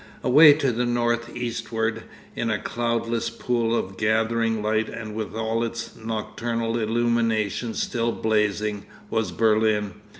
Away to the north eastward, in a cloudless pool of gathering light and with all its nocturnal illuminations still blazing, was Berlin.